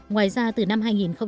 ngoài ra từ năm hai nghìn sáu